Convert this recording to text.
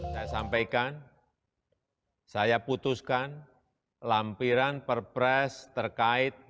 saya sampaikan saya putuskan lampiran perpres terkait